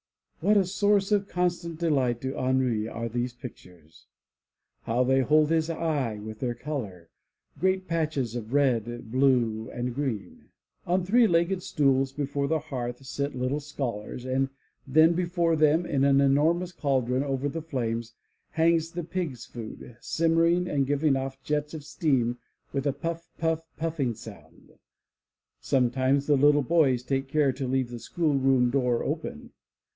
What a source of constant delight to Henri are these pictures! How they hold his eye with their color — great patches of red, blue and green! On three legged stools before the hearth sit the little scholars, and there before them, in an enormous cauldron over the flames, hangs the pigs' food, simmering and giving off jets of steam with a puff puff puffing sound. Sometimes the boys take care to leave the school room door open.